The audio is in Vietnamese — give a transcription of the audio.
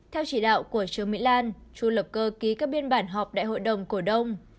theo chỉ đạo của trương mỹ lan chu lập cơ ký các biên bản họp đại hội đồng cổ đông